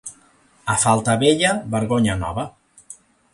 A falta vella, vergonya nova.